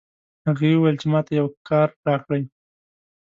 هغې وویل چې ما ته یو کار راکړئ